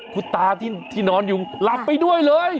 คุณตาที่นอนอยู่หลับไปด้วยเลย